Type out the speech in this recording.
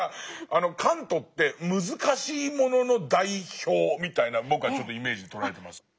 カントって難しいものの代表みたいな僕はちょっとイメージで捉えてます。